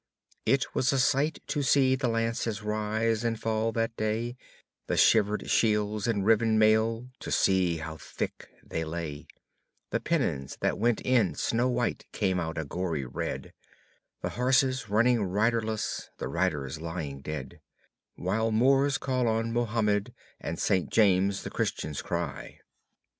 It was a sight to see the lances rise and fall that day; The shivered shields and riven mail, to see how thick they lay; The pennons that went in snow white come out a gory red; The horses running riderless, the riders lying dead; While Moors call on Muhamed, and 'St. James!' the Christians cry."